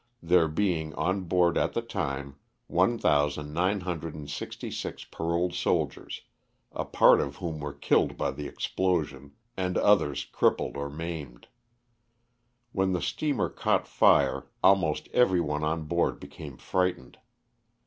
there being on board at the time 1,966 paroled soldiers, a part of whom were killed by the explosion and others crippled or maimed. When the steamer caught fire almost every one on board became frightened.